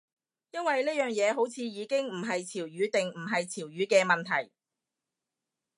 因為呢樣嘢好似已經唔係潮語定唔係潮語嘅問題